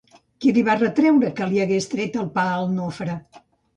Qui li va retreure que li hagués tret el pa al Nofre?